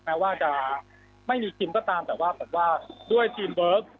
แม้ว่าจะไม่มีคิมก็ตามแต่ว่าผมว่าด้วยทีมเวิร์ค